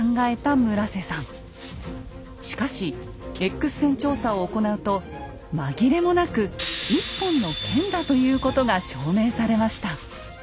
しかしＸ線調査を行うと紛れもなく１本の剣だということが証明されました。